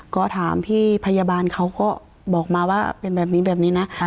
ก็ถามพี่พยาบาลเขาก็บอกมาว่าเป็นแบบนี้แบบนี้นะ